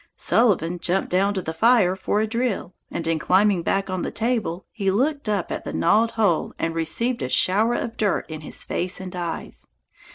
Sullivan jumped down to the fire for a drill, and in climbing back on the table he looked up at the gnawed hole and received a shower of dirt in his face and eyes.